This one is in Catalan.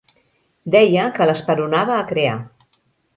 Deia que l'esperonava a crear.